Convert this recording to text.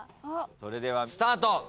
それではスタート。